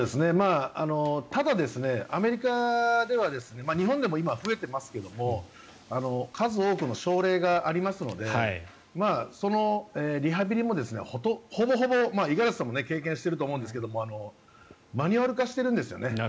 ただアメリカでは日本でも今は増えていますが数多くの症例がありますのでそのリハビリもほぼほぼ五十嵐さんも経験していると思うんですがマニュアル化しているんですね